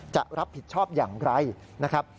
จะรับผิดชอบอย่างไรนะครับ